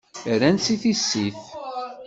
Rrant-tt i tissit.